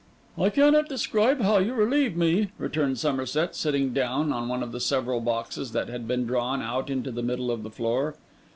'I cannot describe how you relieve me,' returned Somerset, sitting down on one of several boxes that had been drawn out into the middle of the floor.